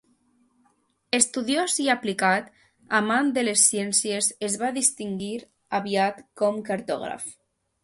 Estudiós i aplicat, amant de les ciències, es va distingir aviat com cartògraf.